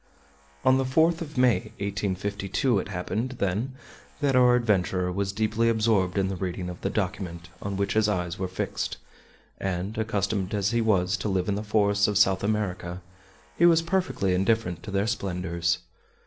On the 4th of May, 1852, it happened, then, that our adventurer was deeply absorbed in the reading of the document on which his eyes were fixed, and, accustomed as he was to live in the forests of South America, he was perfectly indifferent to their splendors.